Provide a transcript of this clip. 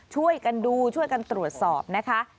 ช่วยกันดูช่วยกันตรวจสอบนะคะ